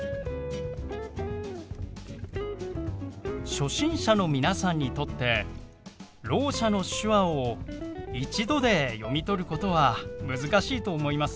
初心者の皆さんにとってろう者の手話を一度で読み取ることは難しいと思います。